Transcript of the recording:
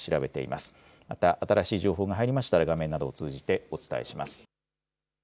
また新しい情報が入りましたら画面などを通じてお伝えします。